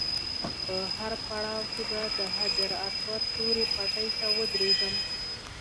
په هر پړاو کې به د حجر اسود تورې پټۍ ته ودرېدم.